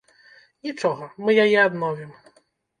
Нічога, мы яе адновім.